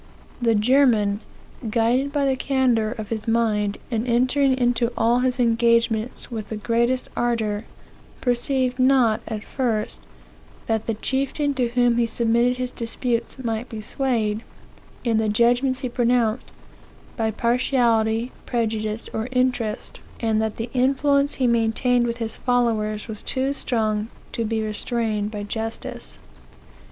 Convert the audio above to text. The German, guided by the candor of his mind, and entering into all his engagements with the greatest ardor, perceived not, at first, that the chieftain to whom he submitted his disputes might be swayed, in the judgments he pronounced, by partiality, prejudice, or interest; and that the influence he maintained with his followers was too strong to be restrained by justice.